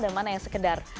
dan mana yang sekedar